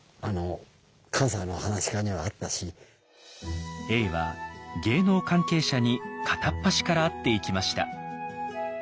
とにかくね永は芸能関係者に片っ端から会っていきました。